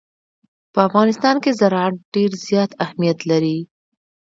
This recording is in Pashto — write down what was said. په افغانستان کې زراعت ډېر زیات اهمیت لري.